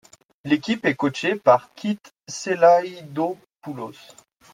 L'équipe est coachée par Kyt Selaidopoulos.